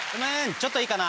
ちょっといいかな。